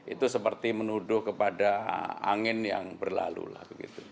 itu seperti menuduh kepada angin yang berlalu lah